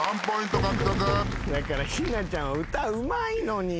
だからひなちゃん歌うまいのに。